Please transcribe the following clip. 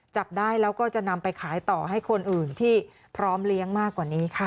จับได้แล้วก็จะนำไปขายต่อให้คนอื่นที่พร้อมเลี้ยงมากกว่านี้ค่ะ